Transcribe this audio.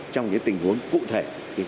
trong những tình huống cụ thể